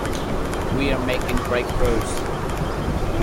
We are making breakthroughs.